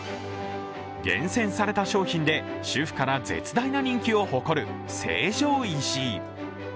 厳選された商品で主婦から絶大な人気を誇る成城石井。